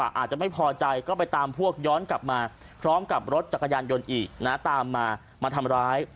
อาจจะไม่พอใจก็ไปตามพวกย้อนกลับมาพร้อมกับรถจักรยานยนต์อีกนะตามมามาทำร้าย